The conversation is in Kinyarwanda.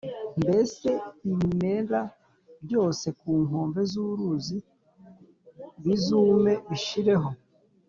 mbese ibimera byose ku nkombe y’uruzi bizume, bishireho,